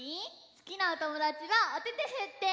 すきなおともだちはおててふって！